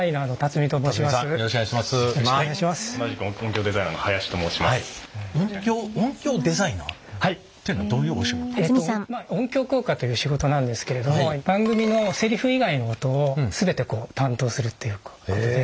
まあ音響効果という仕事なんですけれども番組のセリフ以外の音を全て担当するっていうことで。